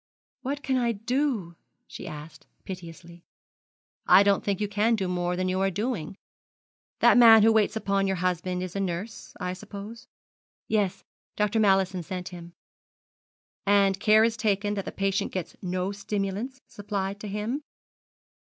'What can I do?' she asked, piteously. 'I don't think you can do more than you are doing. That man who waits upon your husband is a nurse, I suppose?' 'Yes. Dr. Mallison sent him.' 'And care is taken that the patient gets no stimulants supplied to him?'